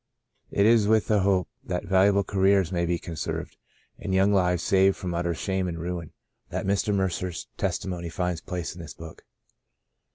It is with the hope that valuable careers may be conserved, and young lives saved from utter shame and ruin, that Mr. Mercer's testi mony finds place in this book.